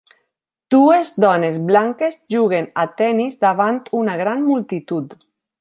Dues dones blanques juguen a tennis davant una gran multitud.